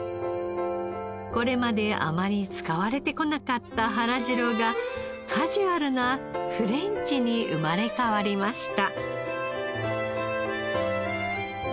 これまであまり使われてこなかったはらじろがカジュアルなフレンチに生まれ変わりました。